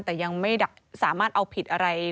แต่ยังไม่สามารถเอาผิดอะไร